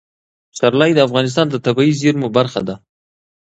پسرلی د افغانستان د طبیعي زیرمو برخه ده.